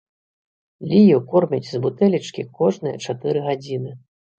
Лію кормяць з бутэлечкі кожныя чатыры гадзіны.